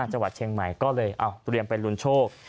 ๖๓๘๕จเชียงใหม่ก็เลยเอาตุเรียงไปรุนโชค